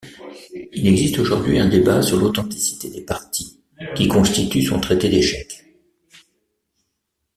Il existe aujourd'hui un débat sur l'authenticité des parties qui constituent son traité d'échecs.